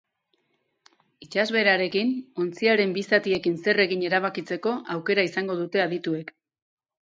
Itsasbeherarekin ontziaren bi zatiekin zer egin erabakitzeko aukera izango dute adituek.